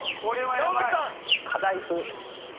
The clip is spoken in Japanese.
山崎さん！